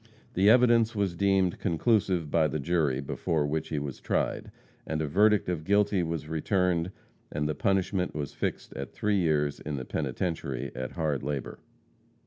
The evidence was deemed conclusive by the jury before which he was tried, and a verdict of guilty was returned and the punishment was fixed at three years in the penitentiary at hard labor.